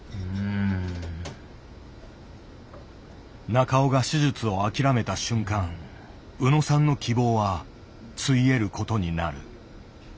中尾が手術を諦めた瞬間宇野さんの希望はついえることになる。